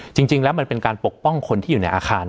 จริงแล้วมันเป็นการปกป้องคนที่อยู่ในอาคาร